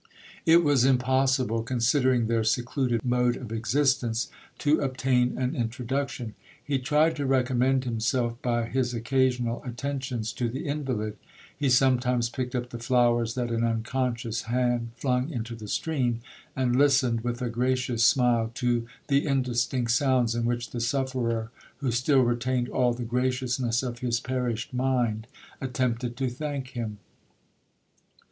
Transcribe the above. It was impossible, considering their secluded mode of existence, to obtain an introduction. He tried to recommend himself by his occasional attentions to the invalid—he sometimes picked up the flowers that an unconscious hand flung into the stream, and listened, with a gracious smile, to the indistinct sounds in which the sufferer, who still retained all the graciousness of his perished mind, attempted to thank him.